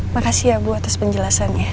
makasih ya bu atas penjelasannya